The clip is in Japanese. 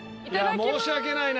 申し訳ないな。